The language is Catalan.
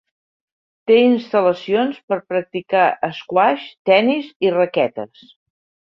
Té instal·lacions per practicar esquaix, tenis i raquetes.